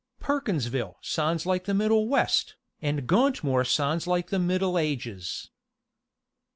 Perkinsville sounds like the Middle West, and Gauntmoor sounds like the Middle Ages."